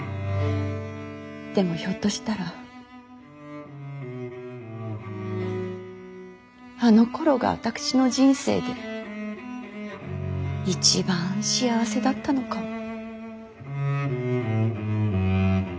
でもひょっとしたらあのころが私の人生で一番幸せだったのかも。